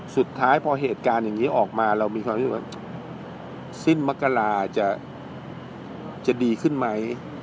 สุดท้ายพอเหตุการณ์อย่างนี้ออกมาเรามีความรู้สึกว่าสิ้นมกราจะดีขึ้นไหม